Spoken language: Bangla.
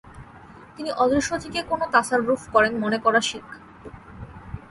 তিনি অদৃশ্য থেকে কোন তাসাররুফ করেন মনে করা শিরক।